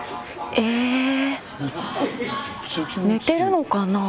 寝てるのかな？